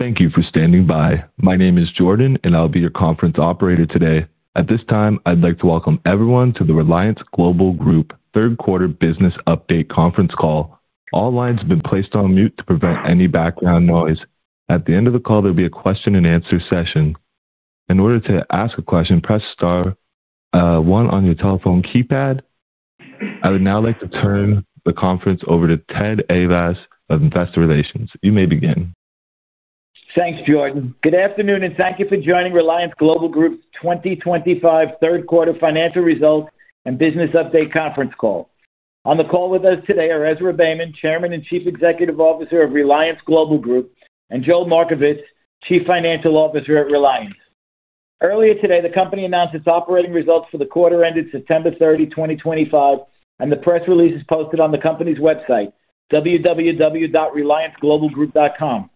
Thank you for standing by. My name is Jordan, and I'll be your conference operator today. At this time, I'd like to welcome everyone to the Reliance Global Group Third-Quarter Business Update Conference Call. All lines have been placed on mute to prevent any background noise. At the end of the call, there'll be a question-and-answer session. In order to ask a question, press star, one on your telephone keypad. I would now like to turn the conference over to Ted Ayvas of Investor Relations. You may begin. Thanks, Jordan. Good afternoon, and thank you for joining Reliance Global Group's 2025 Third-Quarter Financial Results and Business Update Conference Call. On the call with us today are Ezra Beyman, Chairman and Chief Executive Officer of Reliance Global Group, and Joel Markovits, Chief Financial Officer at Reliance. Earlier today, the company announced its operating results for the quarter ended September 30, 2025, and the press release is posted on the company's website, www.relianceglobalgroup.com.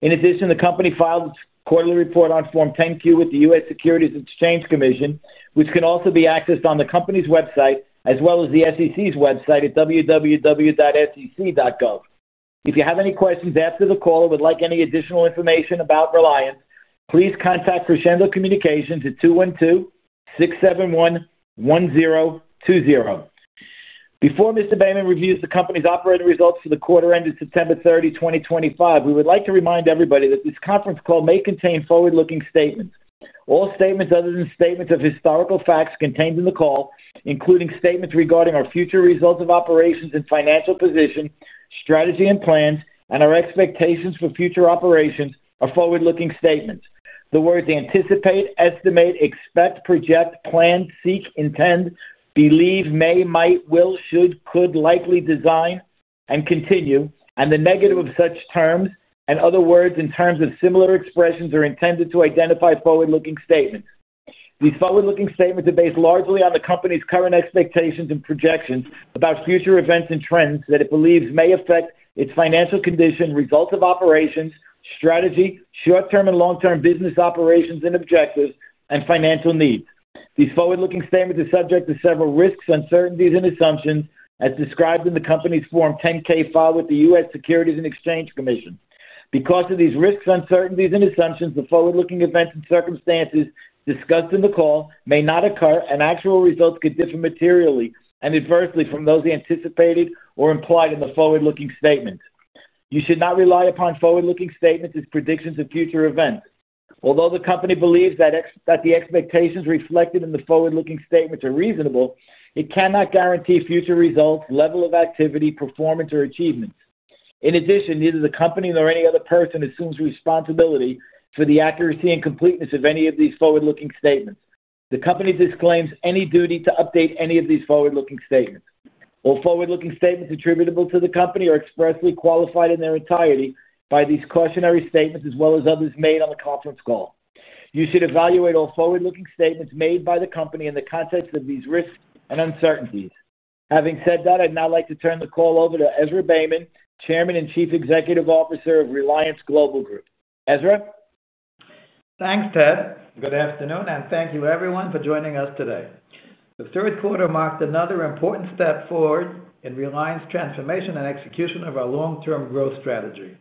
In addition, the company filed its quarterly report on Form 10-Q with the U.S. Securities and Exchange Commission, which can also be accessed on the company's website as well as the SEC's website at www.sec.gov. If you have any questions after the call or would like any additional information about Reliance, please contact Crescendo Communications at 212-671-1020. Before Mr. Beyman reviews the company's operating results for the quarter ended September 30, 2025. We would like to remind everybody that this Conference Call may contain forward-looking statements. All statements other than statements of historical facts contained in the call, including statements regarding our future results of operations and financial position, strategy and plans, and our expectations for future operations, are forward-looking statements. The words anticipate, estimate, expect, project, plan, seek, intend, believe, may, might, will, should, could, likely, design, and continue, and the negative of such terms and other words and terms of similar expressions are intended to identify forward-looking statements. These forward-looking statements are based largely on the company's current expectations and projections about future events and trends that it believes may affect its financial condition, results of operations, strategy, short-term and long-term business operations and objectives, and financial needs. These forward-looking statements are subject to several risks, uncertainties, and assumptions as described in the company's Form 10-K filed with the U.S. Securities and Exchange Commission. Because of these risks, uncertainties, and assumptions, the forward-looking events and circumstances discussed in the call may not occur, and actual results could differ materially and adversely from those anticipated or implied in the forward-looking statements. You should not rely upon forward-looking statements as predictions of future events. Although the company believes that the expectations reflected in the forward-looking statements are reasonable, it cannot guarantee future results, level of activity, performance, or achievements. In addition, neither the company nor any other person assumes responsibility for the accuracy and completeness of any of these forward-looking statements. The company disclaims any duty to update any of these forward-looking statements. All forward-looking statements attributable to the company are expressly qualified in their entirety by these cautionary statements as well as others made on the Conference Call. You should evaluate all forward-looking statements made by the company in the context of these risks and uncertainties. Having said that, I'd now like to turn the call over to Ezra Beyman, Chairman and Chief Executive Officer of Reliance Global Group. Ezra? Thanks, Ted. Good afternoon, and thank you, everyone, for joining us today. The Third Quarter marked another important step forward in Reliance's transformation and execution of our long-term growth strategy.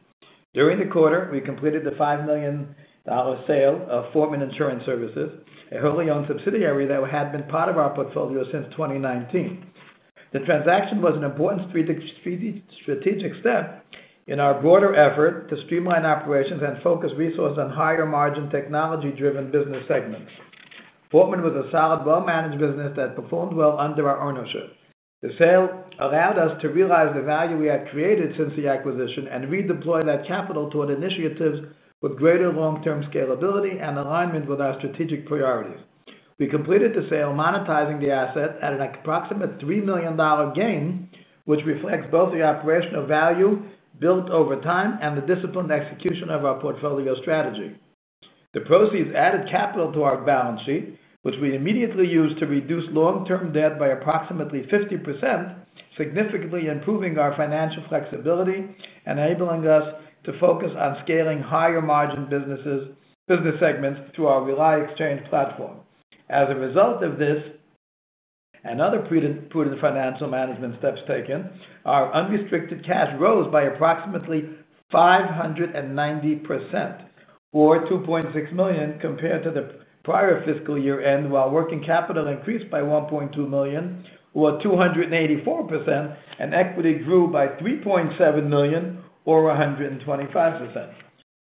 During the quarter, we completed the $5 million sale of Fortman Insurance Services, a wholly-owned subsidiary that had been part of our portfolio since 2019. The transaction was an important strategic step in our broader effort to streamline operations and focus resources on higher-margin technology-driven business segments. Fortman was a solid, well-managed business that performed well under our ownership. The sale allowed us to realize the value we had created since the acquisition and redeploy that capital toward initiatives with greater long-term scalability and alignment with our strategic priorities. We completed the sale, monetizing the asset at an approximate $3 million gain, which reflects both the operational value built over time and the disciplined execution of our portfolio strategy. The proceeds added capital to our balance sheet, which we immediately used to reduce long-term debt by approximately 50%, significantly improving our financial flexibility and enabling us to focus on scaling higher-margin business segments through our Reliance Exchange platform. As a result of this and other prudent financial management steps taken, our unrestricted cash rose by approximately 590%, or $2.6 million compared to the prior fiscal year end, while working capital increased by $1.2 million, or 284%, and equity grew by $3.7 million, or 125%.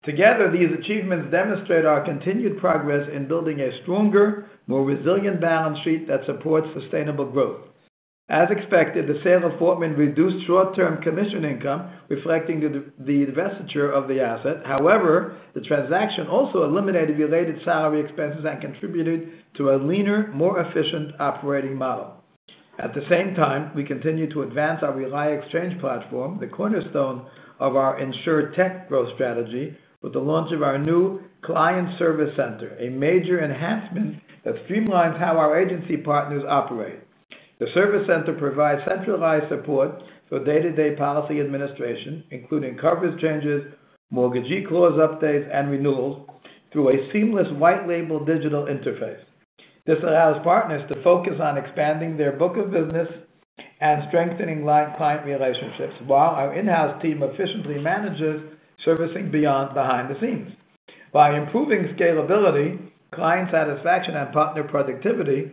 Together, these achievements demonstrate our continued progress in building a stronger, more resilient balance sheet that supports sustainable growth. As expected, the sale of Fortman reduced short-term commission income, reflecting the divestiture of the asset. However, the transaction also eliminated related salary expenses and contributed to a leaner, more efficient operating model. At the same time, we continue to advance our Reliance Exchange platform, the cornerstone of our InsurTech growth strategy, with the launch of our new Client Service Center, a major enhancement that streamlines how our agency partners operate. The Service Center provides centralized support for day-to-day policy administration, including coverage changes, mortgage e-clause updates, and renewals, through a seamless white-label digital interface. This allows partners to focus on expanding their book of business and strengthening client relationships while our in-house team efficiently manages servicing behind the scenes. By improving scalability, client satisfaction, and partner productivity,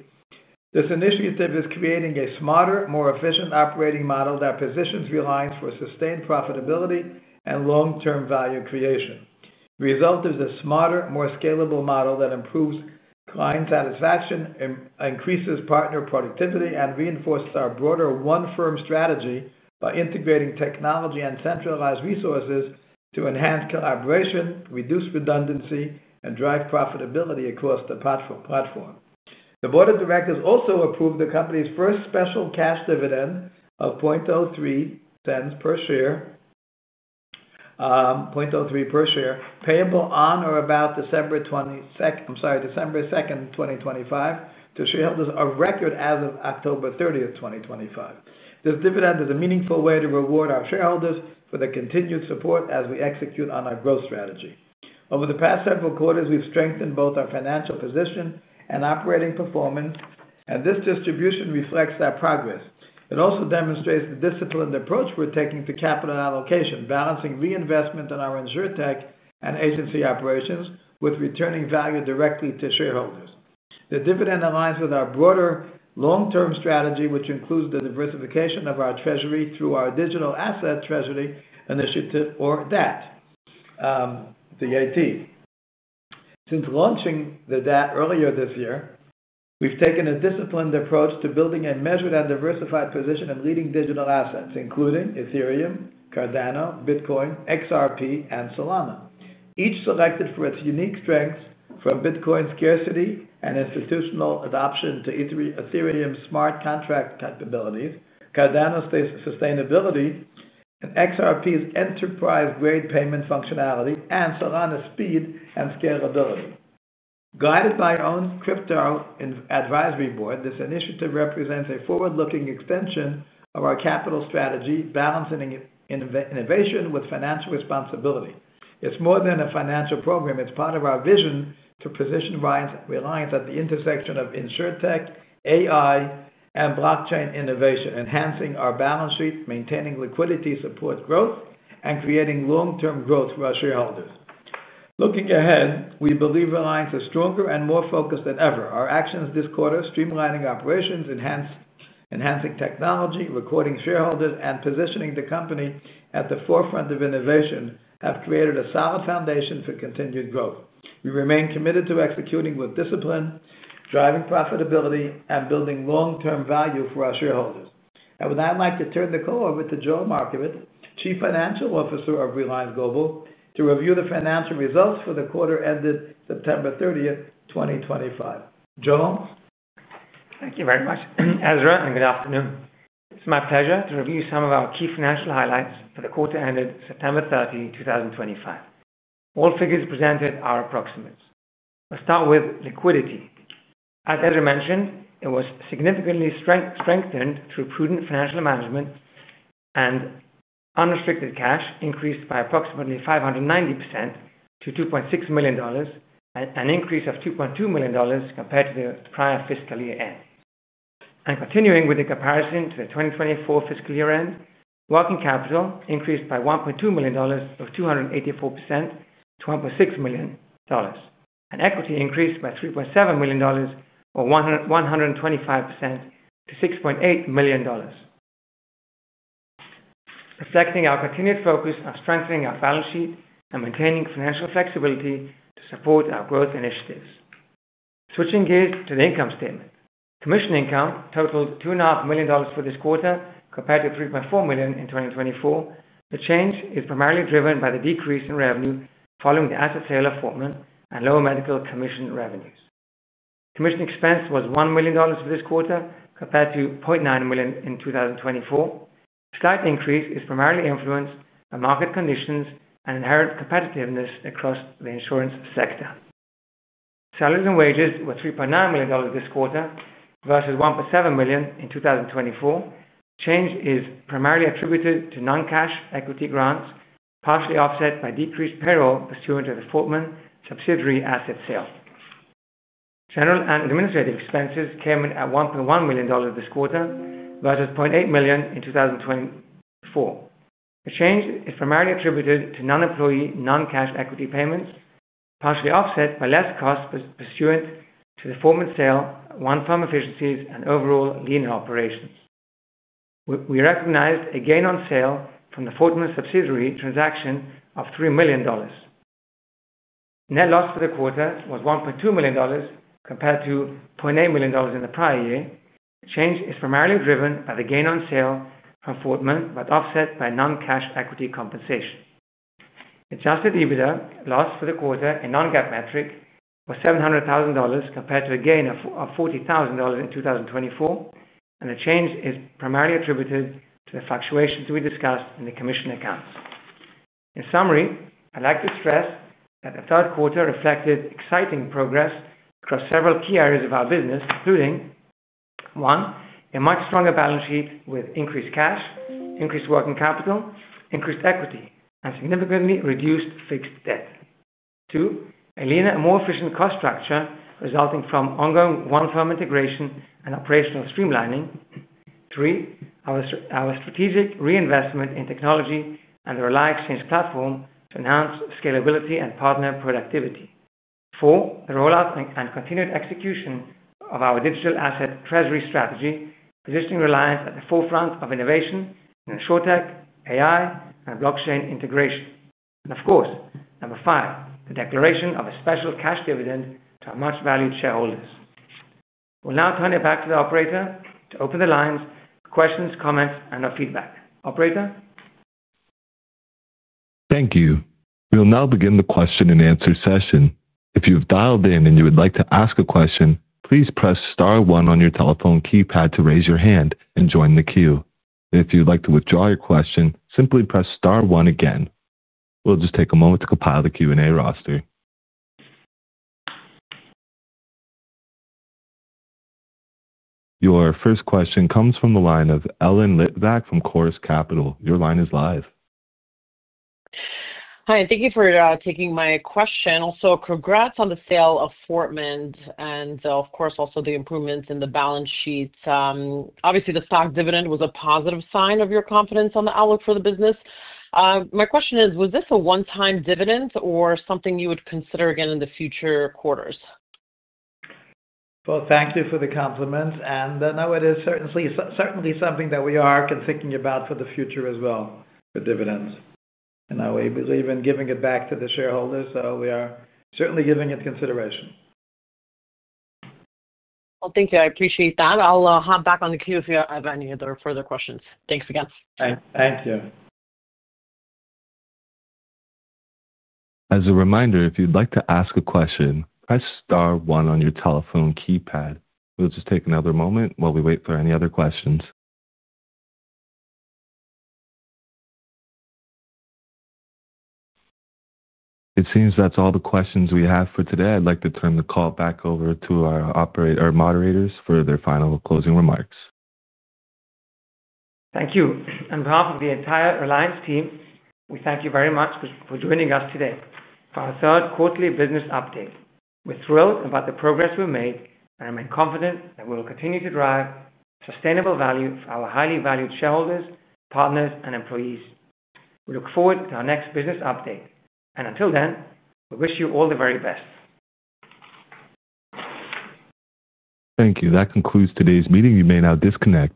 this initiative is creating a smarter, more efficient operating model that positions Reliance for sustained profitability and long-term value creation. The result is a smarter, more scalable model that improves client satisfaction, increases partner productivity, and reinforces our broader One-Firm Strategy by integrating technology and centralized resources to enhance collaboration, reduce redundancy, and drive profitability across the platform. The board of directors also approved the company's first special cash dividend of $0.0003 per share. $0.03 per share, payable on or about December 22nd—I'm sorry, December 2nd, 2025—to shareholders of record as of October 30th, 2025. This dividend is a meaningful way to reward our shareholders for the continued support as we execute on our growth strategy. Over the past several quarters, we've strengthened both our financial position and operating performance, and this distribution reflects that progress. It also demonstrates the disciplined approach we're taking to capital allocation, balancing reinvestment in our InsurTech and agency operations with returning value directly to shareholders. The dividend aligns with our broader long-term strategy, which includes the diversification of our treasury through our Digital Asset Treasury initiative, or DAT. Since launching the DAT earlier this year, we've taken a disciplined approach to building a measured and diversified position in leading digital assets, including Ethereum, Cardano, Bitcoin, XRP, and Solana. Each selected for its unique strengths from Bitcoin's scarcity and institutional adoption to Ethereum's smart contract capabilities, Cardano's sustainability, and XRP's enterprise-grade payment functionality, and Solana's speed and scalability. Guided by our own Crypto Advisory Board, this initiative represents a forward-looking extension of our capital strategy, balancing innovation with financial responsibility. It's more than a financial program. It's part of our vision to position Reliance at the intersection of InsurTech, AI, and blockchain innovation, enhancing our balance sheet, maintaining liquidity, support growth, and creating long-term growth for our shareholders. Looking ahead, we believe Reliance is stronger and more focused than ever. Our actions this quarter, streamlining operations, enhancing technology, recruiting shareholders, and positioning the company at the forefront of innovation, have created a solid foundation for continued growth. We remain committed to executing with discipline, driving profitability, and building long-term value for our shareholders. I would now like to turn the call over to Joel Markovits, Chief Financial Officer of Reliance Global Group, to review the financial results for the quarter ended September 30, 2025. Joel? Thank you very much, Ezra, and good afternoon. It's my pleasure to review some of our key financial highlights for the quarter ended September 30, 2025. All figures presented are approximates. Let's start with liquidity. As Ezra mentioned, it was significantly strengthened through prudent financial management. Unrestricted cash increased by approximately 590% to $2.6 million, an increase of $2.2 million compared to the prior fiscal year end. Continuing with the comparison to the 2024 fiscal year end, working capital increased by $1.2 million, or 284%, to $1.6 million, and equity increased by $3.7 million, or 125%, to $6.8 million. This reflects our continued focus on strengthening our balance sheet and maintaining financial flexibility to support our growth initiatives. Switching gears to the income statement, commission income totaled $2.5 million for this quarter compared to $3.4 million in 2024. The change is primarily driven by the decrease in revenue following the asset sale of Fortman and lower medical commission revenues. Commission expense was $1 million for this quarter compared to $0.9 million in 2024. The slight increase is primarily influenced by market conditions and inherent competitiveness across the insurance sector. Salaries and wages were $3.9 million this quarter versus $1.7 million in 2024. Change is primarily attributed to non-cash equity grants, partially offset by decreased payroll pursuant to the Fortman subsidiary asset sale. General and administrative expenses came in at $1.1 million this quarter versus $0.8 million in 2024. The change is primarily attributed to non-employee non-cash equity payments, partially offset by less costs pursuant to the Fortman sale, one-firm efficiencies, and overall leaner operations. We recognized a gain on sale from the Fortman subsidiary transaction of $3 million. Net loss for the quarter was $1.2 million compared to $0.8 million in the prior year. Change is primarily driven by the gain on sale from Fortman but offset by non-cash equity compensation. Adjusted EBITDA loss for the quarter in non-GAAP metric was $700,000 compared to a gain of $40,000 in 2024, and the change is primarily attributed to the fluctuations we discussed in the commission accounts. In summary, I'd like to stress that the Third Quarter reflected exciting progress across several key areas of our business, including. One, a much stronger balance sheet with increased cash, increased working capital, increased equity, and significantly reduced fixed debt. Two, a leaner and more efficient cost structure resulting from ongoing one-firm integration and operational streamlining. Three, our strategic reinvestment in technology and the Reliance Exchange platform to enhance scalability and partner productivity. Four, the rollout and continued execution of our Digital Asset Treasury strategy, positioning Reliance at the forefront of innovation in InsurTech, AI, and blockchain integration. Number five, the declaration of a special cash dividend to our much-valued shareholders. We'll now turn it back to the operator to open the lines for questions, comments, and our feedback. Operator? Thank you. We'll now begin the question-and-answer session. If you have dialed in and you would like to ask a question, please press star one on your telephone keypad to raise your hand and join the queue. If you'd like to withdraw your question, simply press star one again. We'll just take a moment to compile the Q&A roster. Your first question comes from the line of Ellen Litvak from Chorus Capital. Your line is live. Hi. Thank you for taking my question. Also, congrats on the sale of Fortman and, of course, also the improvements in the balance sheet. Obviously, the stock dividend was a positive sign of your confidence on the outlook for the business. My question is, was this a one-time dividend or something you would consider again in the future quarters? Thank you for the compliment. No, it is certainly something that we are thinking about for the future as well, the dividends. We believe in giving it back to the shareholders, so we are certainly giving it consideration. Thank you. I appreciate that. I'll hop back on the queue if you have any other further questions. Thanks again. Thank you. As a reminder, if you'd like to ask a question, press star one on your telephone keypad. We'll just take another moment while we wait for any other questions. It seems that's all the questions we have for today. I'd like to turn the call back over to our operator or moderators for their final closing remarks. Thank you. On behalf of the entire Reliance team, we thank you very much for joining us today for our Third Quarterly business update. We're thrilled about the progress we've made and are confident that we will continue to drive sustainable value for our highly valued shareholders, partners, and employees. We look forward to our next business update. Until then, we wish you all the very best. Thank you. That concludes today's meeting. You may now disconnect.